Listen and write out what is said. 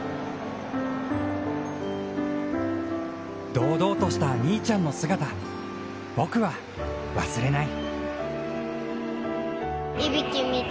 堂々とした兄ちゃんの姿僕は忘れない。